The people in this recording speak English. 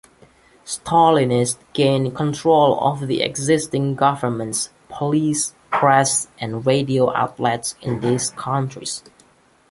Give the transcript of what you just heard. Stalinists gained control of existing governments, police, press and radio outlets in these countries.